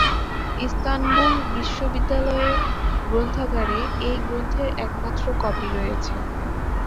Istanbul বিশ্ববিদ্যালয়ের গ্রন্থাগারে এই গ্রন্থের একমাত্র কপি রয়েছে।